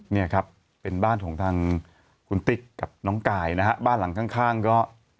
เนี่ยครับเป็นบ้านของทางคุณติ๊กกับน้องกายนะฮะบ้านหลังข้างก็